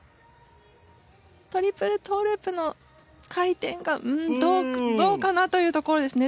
トリプルトーループの回転がうーんどうかな？というところですね。